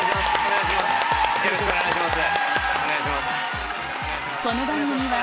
よろしくお願いします。